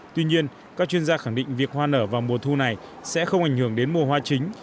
tuy nhiên các chuyên gia khẳng định việc hoa nở vào mùa thu này sẽ không ảnh hưởng đến mùa hoa chính